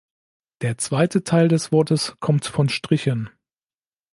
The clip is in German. Der zweite Teil des Wortes kommt von Strichen.